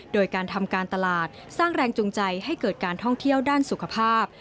โดยการทำการตลาดสร้างแรงจูงใจให้เกิดการท่องเที่ยวด้านสุขภาพ